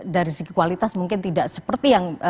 dari segi kualitas mungkin tidak seperti yang